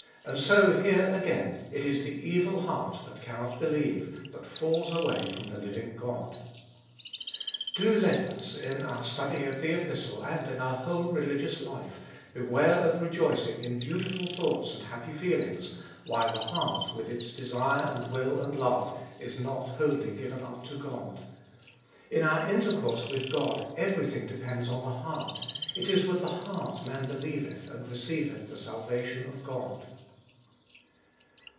And so here again, it is the evil heart that cannot believe, that falls away from the living God. Do 128 abe Dolfest of 2111 let us, in our study of the Epistle and in our whole religious life, beware of rejoicing in beautiful thoughts and happy feelings, while the heart, with its desire and will and love, is not wholly given up to God. In our intercourse with God, everything depends on the heart. It is with the heart man believeth and receiveth the salvation of God.